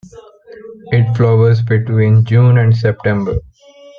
It flowers between June and September.